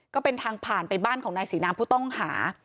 ก็เป็นทางผ่านไปบ้านของนายศรีน้ำผู้ต้องหา